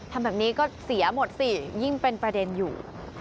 ทำแบบนี้ก็เสียหมดสิยิ่งเป็นประเด็นอยู่